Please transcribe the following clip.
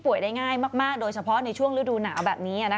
ได้ง่ายมากโดยเฉพาะในช่วงฤดูหนาวแบบนี้